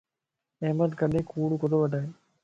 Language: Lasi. احمد ڪڏين ڪوڙ ڪوتو وڊائي